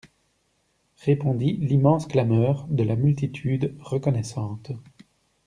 Répondit l'immense clameur de la multitude reconnaissante.